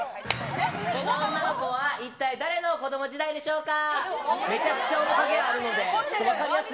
この女の子は、一体誰の子ども時代でしょうか？